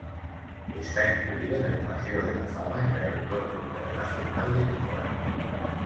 Está incluido en el paseo de la fama en el Aeropuerto Internacional de Tijuana.